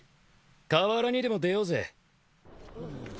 河原にでも出ようぜ。